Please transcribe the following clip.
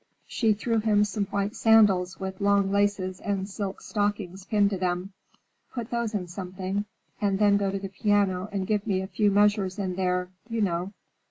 She threw him some white sandals with long laces and silk stockings pinned to them. "Put those in something, and then go to the piano and give me a few measures in there—you know."